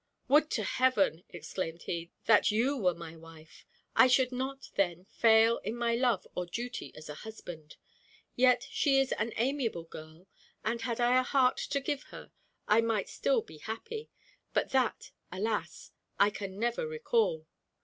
"Would to Heaven," exclaimed he, "that you were my wife. I should not, then, fail in my love or duty as a husband; yet she is an amiable girl, and, had I a heart to give her, I might still be happy; but that, alas! I can never recall."